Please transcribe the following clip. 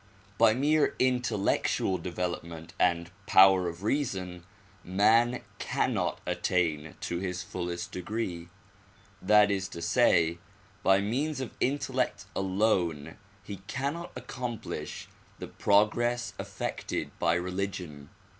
By mere intellectual development and power of reason, man cannot attain to his fullest degree ; that is to say, by means of intellect alone he cannot accomplish the progress effected by religion.